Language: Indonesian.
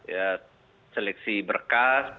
ya seleksi berkas